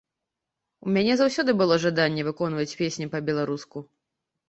У мяне заўсёды было жаданне выконваць песні па-беларуску.